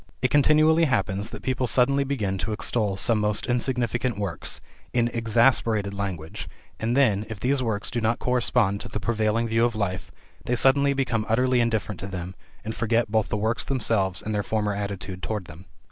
It continually happens that people suddenly begin to extol some most insignificant works, in exaggerated language, and then, if these works do not correspond to the prevailing view of life, they suddenly become utterly indifferent to them, and forget both the works themselves and their former attitude toward them.